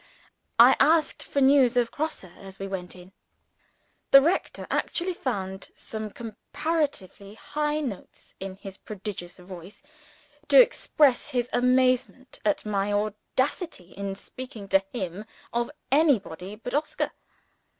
I asked for news of Grosse as we went in. The rector actually found some comparatively high notes in his prodigious voice, to express his amazement at my audacity in speaking to him of anybody but Oscar.